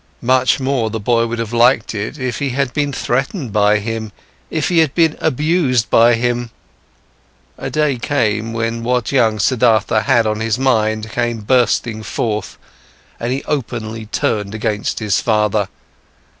Much more the boy would have liked it if he had been threatened by him, if he had been abused by him. A day came when what young Siddhartha had on his mind came bursting forth, and he openly turned against his father.